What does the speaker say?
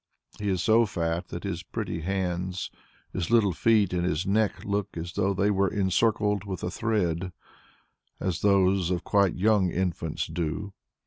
He is so fat that his pretty hands, his little feet and his neck look as though they were encircled with a thread, as those of quite young infants do.